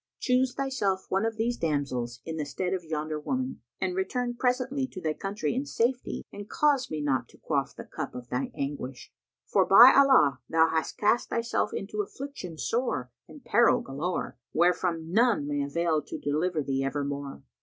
Choose thyself one of these damsels, in the stead of yonder woman, and return presently to thy country in safety and cause me not quaff the cup of thine anguish! For, by Allah, thou hast cast thyself into affliction sore and peril galore, wherefrom none may avail to deliver thee evermore!"